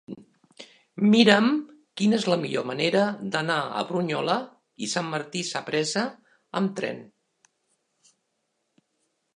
Mira'm quina és la millor manera d'anar a Brunyola i Sant Martí Sapresa amb tren.